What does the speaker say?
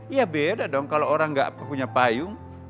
ya beda dong kalau orang nggak punya payung